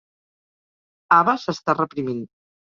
Ava s'està reprimint.